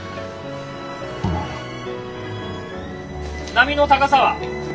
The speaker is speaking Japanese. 波の高さは？